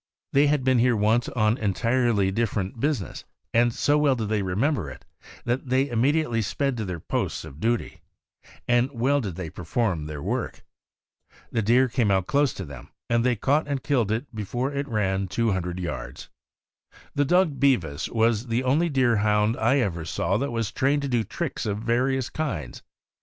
They had been here once on entirely different business, and so well did they remember it that they imme 184 THE AMERICAN BOOK OF THE DOG. diately sped to their posts of duty. And well did they perform their work. The deer came out close to them, and they caught and killed it before it ran two hundred yards. This dog Bevis was the only Deerhound I ever saw that was trained to do tricks of various kinds.